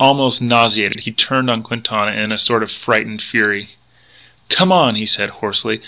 Almost nauseated, he turned on Quintana in a sort of frightened fury: "Come on!" he said hoarsely.